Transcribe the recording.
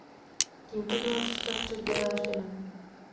Tímto byla cesta vpřed vydlážděná.